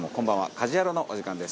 『家事ヤロウ！！！』のお時間です。